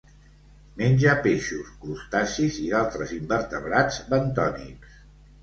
Menja peixos, crustacis i d'altres invertebrats bentònics.